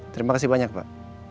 terima kasih banyak pak